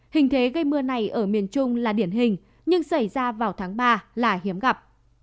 hình thế gây mưa này ở miền trung là điển hình nhưng xảy ra vào tháng ba là hiếm gặp